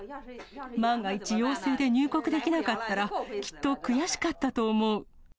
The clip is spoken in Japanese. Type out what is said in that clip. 万が一、陽性で入国できなかったら、きっと悔しかったと思う。